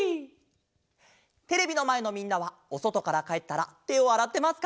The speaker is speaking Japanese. テレビのまえのみんなはおそとからかえったらてをあらってますか？